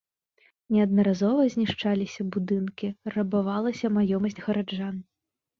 Неаднаразова знішчаліся будынкі, рабавалася маёмасць гараджан.